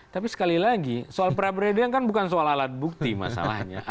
tapi sekali lagi soal pra peradilan kan bukan soal alat bukti masalahnya